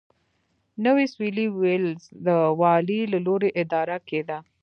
نوی سوېلي ویلز د والي له لوري اداره کېده.